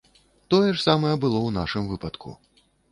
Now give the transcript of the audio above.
Тое ж самае было ў нашым выпадку.